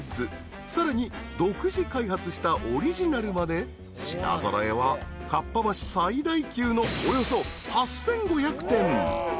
［さらに独自開発したオリジナルまで品揃えはかっぱ橋最大級のおよそ８，５００点］